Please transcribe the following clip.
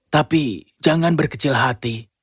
tapi jangan berkecil hati